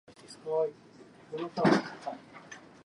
川崎市宮前区